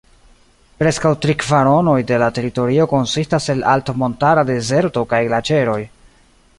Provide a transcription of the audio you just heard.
Preskaŭ tri kvaronoj de la teritorio konsistas el altmontara dezerto kaj glaĉeroj.